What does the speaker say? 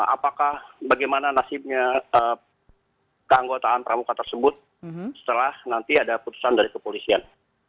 apakah bagaimana nasibnya keanggotaan pramuka tersebut setelah nanti ada putusan dari kepolisian